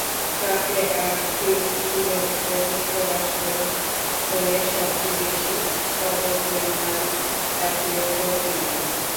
Track and field ইভেন্টে যুক্তরাষ্ট্রের হয়ে সবচেয়ে বেশি পদকজয়ী নারী অ্যাথলেটও তিনি।